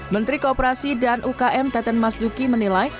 menteri kooperasi dan ukm teten mas duki menilai